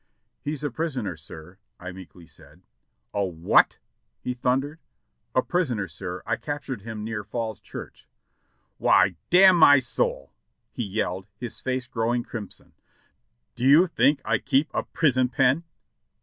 "He's a prisoner, sir," I meekly said. "A what?" he thundered. "A prisoner, sir. I captured him near Falls Church." "Why, damn my soul!" he yelled, his face growing crimson, "do you think I keep a prison pen?"